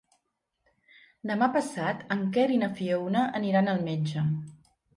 Demà passat en Quer i na Fiona aniran al metge.